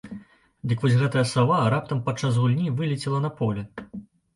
Дык вось гэтая сава раптам падчас гульні вылецела на поле.